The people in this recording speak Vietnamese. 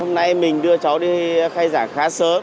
hôm nay mình đưa cháu đi khai giảng khá sớm